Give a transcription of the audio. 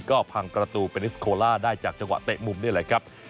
ก็พังประตูเป็นนิสโคล่าได้จากจังหวะเตะมุมนี่แหละครับ